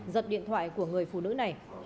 giật điện thoại của người phụ nữ này